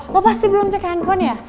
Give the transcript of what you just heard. lo pasti belum cek handphone ya